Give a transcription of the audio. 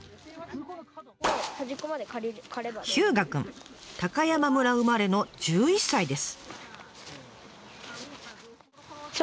飛風くん高山村生まれの１１歳です。